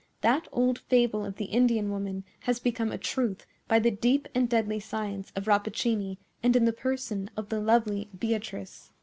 That old fable of the Indian woman has become a truth by the deep and deadly science of Rappaccini and in the person of the lovely Beatrice."